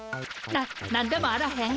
な何でもあらへん。